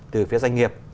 từ phía doanh nghiệp